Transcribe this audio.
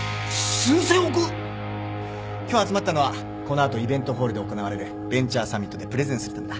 今日集まったのはこの後イベントホールで行われるベンチャーサミットでプレゼンするためだ。